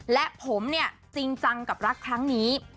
และผมเนี่ยจริงจังกับรักครั้งนี้